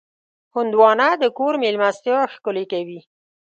هندوانه د کور مېلمستیا ښکلې کوي.